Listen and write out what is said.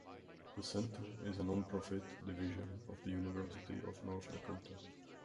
The center is a nonprofit division of the University of North Dakota.